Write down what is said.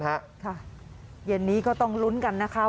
เย็นนี้ก็ต้องลุ้นกันนะคะ